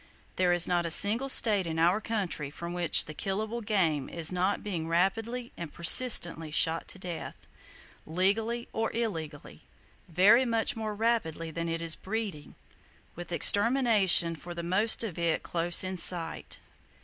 There is not a single state in our country from which the killable game is not being rapidly and persistently shot to death, legally or illegally, very much more rapidly than it is breeding, with extermination for the most of it close in sight.